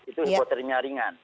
itu hipotermia ringan